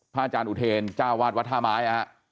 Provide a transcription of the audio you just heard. อาจารย์อุเทรจ้าวาดวัดท่าไม้ฮะ